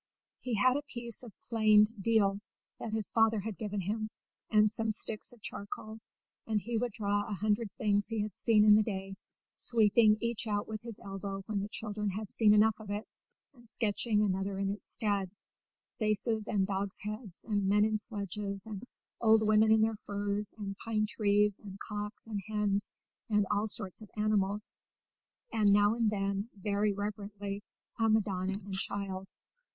He had a piece of planed deal that his father had given him, and some sticks of charcoal, and he would draw a hundred things he had seen in the day, sweeping each out with his elbow when the children had seen enough of it and sketching another in its stead faces and dogs' heads, and men in sledges, and old women in their furs, and pine trees, and cocks and hens, and all sorts of animals, and now and then very reverently a Madonna and Child.